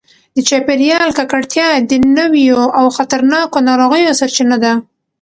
د چاپیریال ککړتیا د نویو او خطرناکو ناروغیو سرچینه ده.